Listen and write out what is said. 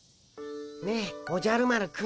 ねえおじゃる丸くん。